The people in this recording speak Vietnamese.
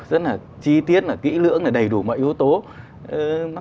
rất là chi tiết kỹ lưỡng đầy đủ mọi yếu tố